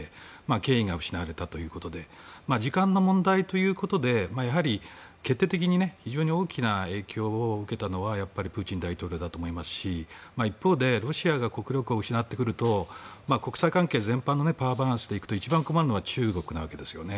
権威が失われたということで時間の問題ということで決定的に非常に大きな影響を受けたのはプーチン大統領だと思いますし一方でロシアが国力を失ってくると国際関係全般のパワーバランスで行くと一番困るのは中国なわけですよね。